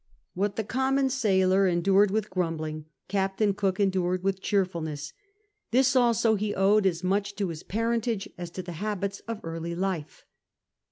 What the common sailor endured with grumbling Captain Cook endured Avith cheerfulness. This also he OAved as much to his parentage as to the habits of early life.